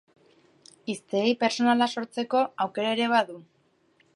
Hiztegi pertsonala sortzeko aukera ere badu.